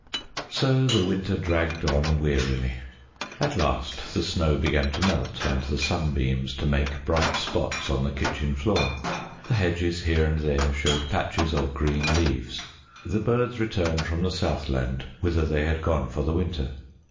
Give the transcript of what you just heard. So the winter dragged on wearily. At last the snow began to melt, and the sunbeams to make bright spots on the kitchen floor. The hedges here and there showed patches of green leaves; the birds returned from the southland whither they had gone for the winter.